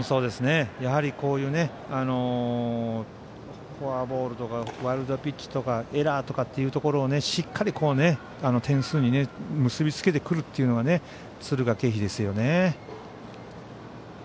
やはりフォアボールとかワイルドピッチとかエラーっていうところをしっかり点数に結び付けてくるというのは敦賀気比ですよね。